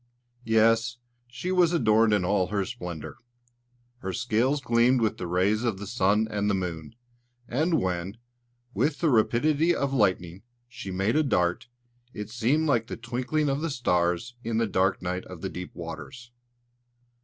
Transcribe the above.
Yes, she was adorned in all her splendour. Her scales gleamed with the rays of the sun and moon; and when, with the rapidity of lightning, she made a dart, it seemed like the twinkling of stars in the dark night of the deep waters.